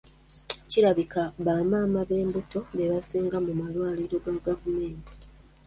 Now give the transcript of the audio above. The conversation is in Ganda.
Kirabika bamaama ab'embuto be basinga mu malwaliro ga gavumenti.